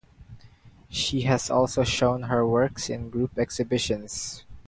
She has also shown her works in group exhibitions.